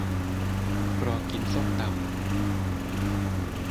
รอกินส้มตำ